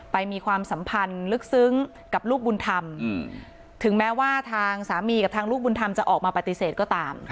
มีความสัมพันธ์ลึกซึ้งกับลูกบุญธรรมถึงแม้ว่าทางสามีกับทางลูกบุญธรรมจะออกมาปฏิเสธก็ตาม